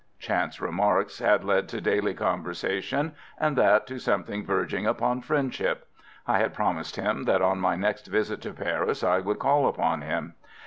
Chance remarks had led to daily conversation, and that to something verging upon friendship. I had promised him that on my next visit to Paris I would call upon him.